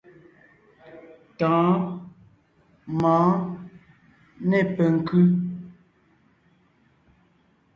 Tɔ̌ɔn, mɔ̌ɔn, nê penkʉ́.